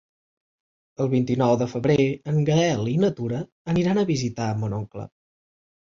El vint-i-nou de febrer en Gaël i na Tura aniran a visitar mon oncle.